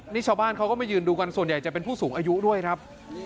นี่ชาวบ้านเขาก็มายืนดูกันส่วนใหญ่จะเป็นผู้สูงอายุด้วยครับ